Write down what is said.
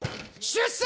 出世！